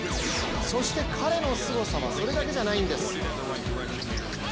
そして、彼のすごさはそれだけじゃないんです。